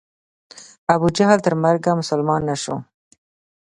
ابو جهل تر مرګه مسلمان نه سو.